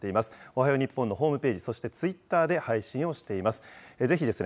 おはよう日本のホームページ、そしてツイッターで配信をしています。